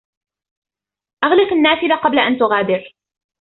اغلق النافذة قبل أن تغادر.